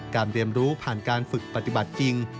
เรียนรู้ผ่านการฝึกปฏิบัติจริง